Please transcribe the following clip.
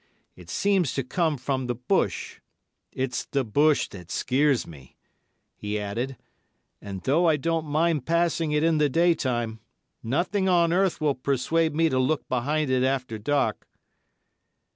It seems to come from the bush. It's the bush that skeers me," he added, "and though I don't mind passing it in the day time, nothing on earth will persuade me to look behind it after dark."